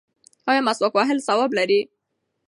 ایا مسواک وهل ثواب لري؟